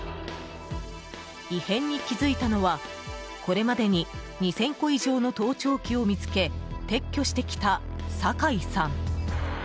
異変に気づいたのはこれまでに２０００個以上の盗聴器を見つけ撤去してきた酒井さん。